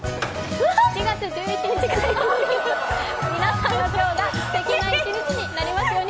７月１１日火曜日、皆さんの今日がすてきな一日になりますように。